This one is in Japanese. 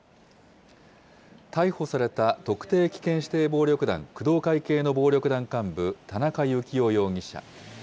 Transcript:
逮捕された特定危険指定暴力団工藤会系の暴力団幹部、田中幸雄容疑者。